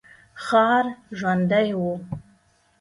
ښار ژوندی و.